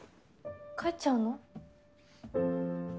帰っちゃうの？